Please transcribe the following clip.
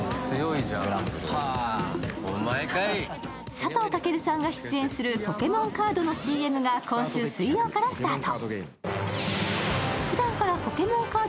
佐藤健さんが出演するポケモンカードのＣＭが今週水曜からスタート。